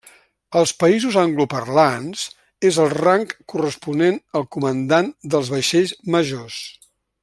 Als països angloparlants és el rang corresponent al comandant dels vaixells majors.